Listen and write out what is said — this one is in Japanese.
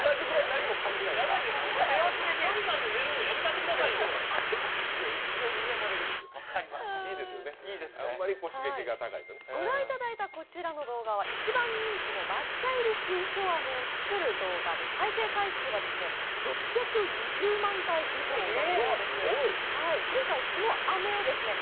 御覧いただいたこちらの動画は一番人気の飴を作る動画で再生回数は６２０万回以上だそうです